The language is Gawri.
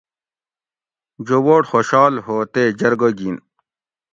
جوبوٹ خوشال ہو تے جرگہ گین